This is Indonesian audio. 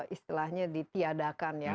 istilahnya ditiadakan ya